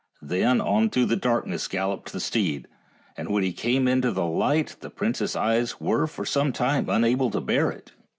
Then on through the darkness galloped the steed, and when he came into the light the prince's eyes were for some time unable to bear it.